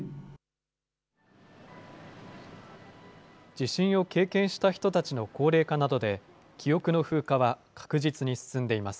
地震を経験した人たちの高齢化などで、記憶の風化は確実に進んでいます。